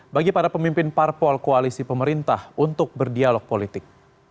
bagi para pemimpin parpol koalisi pemerintah untuk berdialog politik